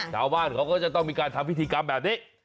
ชาวบ้านเขาก็จะต้องมีการทำพิธีกรรมแบบนี้